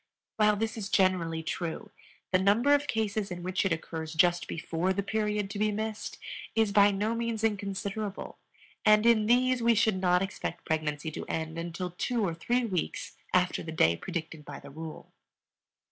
While this is generally true, the number of cases in which it occurs just before the period to be missed is by no means inconsiderable, and in these we should not expect pregnancy to end until two or three weeks after the day predicted by the rule.